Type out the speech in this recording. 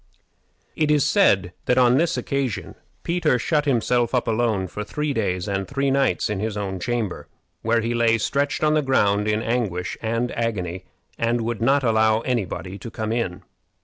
It is said that on this occasion Peter shut himself up alone for three days and three nights in his own chamber, where he lay stretched on the ground in anguish and agony, and would not allow any body to come in.